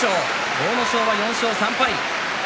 阿武咲は４勝３敗。